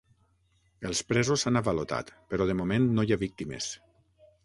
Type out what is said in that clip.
Els presos s'han avalotat, però de moment no hi ha víctimes.